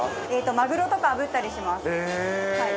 マグロとか炙ったりします。